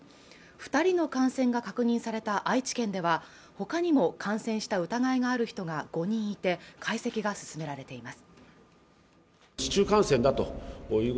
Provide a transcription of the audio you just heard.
二人の感染が確認された愛知県ではほかにも感染した疑いがある人が５人いて解析が進められています